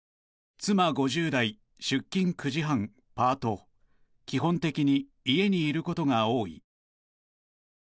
「妻５０代出勤９：３０パート基本的に家にいることが多い」。